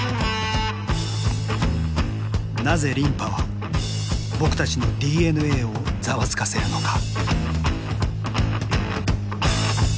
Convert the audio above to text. なぜ琳派は僕たちのＤＮＡをざわつかせるのか？